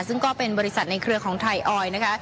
ซึ่งก็เป็นบริษัทในเครือของไทยออยนะคะ